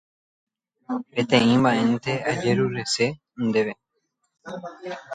Peteĩ mba'énte ajerurese ndéve.